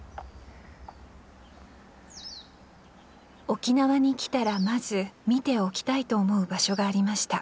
沖縄に来たらまず見ておきたいと思う場所がありました